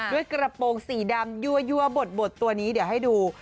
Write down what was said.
ด้วยกระโปรงสีดังยั่วยั่วบดบดตัวนี้เดี๋ยวให้ดู